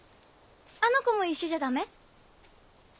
あのコも一緒じゃダメ？